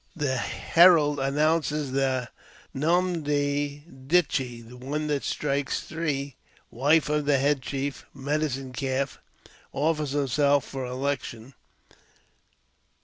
( The herald announces that Nom ne dit chee (The One that ' Strikes Three), wife of the head chief. Medicine Chief, offers j herself for election.